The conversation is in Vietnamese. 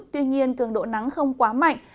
tuy nhiên cường độ nắng không quá mạnh